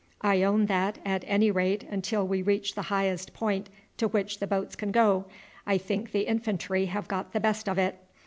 I own that, at any rate until we reach the highest point to which the boats can go, I think the infantry have got the best of it.